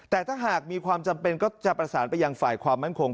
แต่ถ้าหากมีความจำเป็นก็จะประสานไปยังฝ่ายความมั่นคง